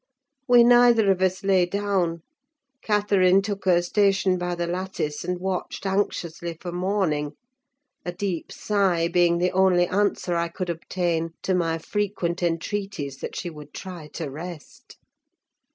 We neither of us lay down: Catherine took her station by the lattice, and watched anxiously for morning; a deep sigh being the only answer I could obtain to my frequent entreaties that she would try to rest.